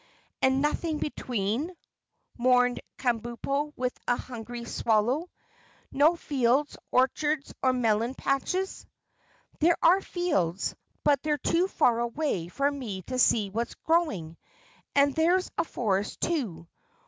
"And nothing between," mourned Kabumpo with a hungry swallow. "No fields, orchards or melon patches?" "There are fields, but they're too far away for me to see what's growing, and there's a forest too.